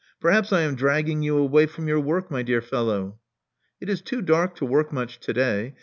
Perhaps I am dragging you away from your work, my dear fellow." '*It is too dark to work much to day.